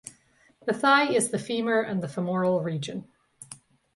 The thigh is the femur and the femoral region.